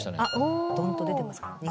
あっドンと出てますか。